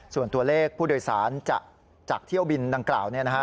ส่วนตัวเลขผู้โดยสารจากเที่ยวบินดังกล่าว